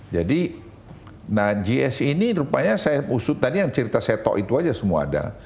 jadi nah gsi ini rupanya saya usut tadi yang cerita saya tok itu aja semua ada